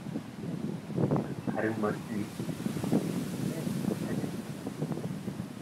Харин морьд нь их эцэж цуцсан тул арайхийн сажилж байна.